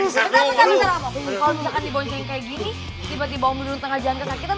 kalau bisa kan dibonceng kayak gini tiba tiba om beliung tengah jangka sakitan